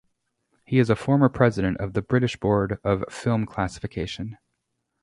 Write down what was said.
He is a former president of the British Board of Film Classification.